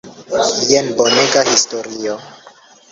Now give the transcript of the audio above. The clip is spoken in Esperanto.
Jen bonega historio!